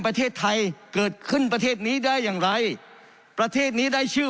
ประเทศไทยเกิดขึ้นประเทศนี้ได้อย่างไรประเทศนี้ได้ชื่อ